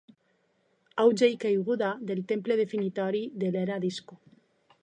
Auge i caiguda del temple definitori de l’era disco.